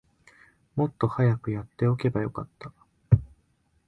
もっと早くやっておけばよかった